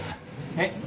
えっ。